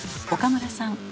岡村さん